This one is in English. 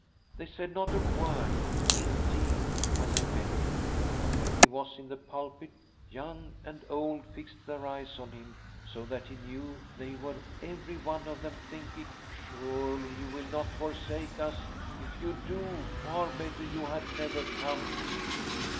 They said not a word, indeed, when they met him, but when he was in the pulpit, young and old fixed their eyes on him, so that he knew they were every one of them thinking :" Surely you will not forsake us. If you do, far better you had never come."